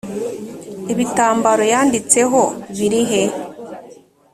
ibitambaro yanditseho birihe